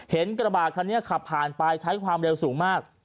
กระบาดคันนี้ขับผ่านไปใช้ความเร็วสูงมาก